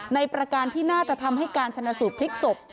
ประการที่น่าจะทำให้การชนะสูตรพลิกศพ